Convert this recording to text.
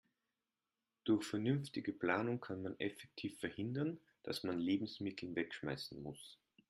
Durch vernünftige Planung kann man effektiv verhindern, dass man Lebensmittel wegschmeißen muss.